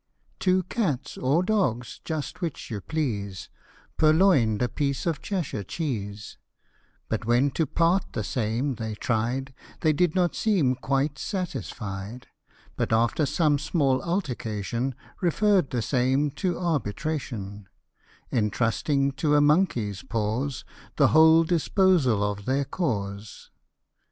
Two cats or dogs, just which you please, Purloin'd a piece of Cheshire cheese ; But when to part the same they tried, They did not seem quite satisfied ; But after some small altercation, Referr'd the same to arbitration ; Entrusting to a monkey's paws The whole disposal of their cause.